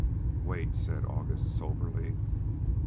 "Wait," said August, soberly.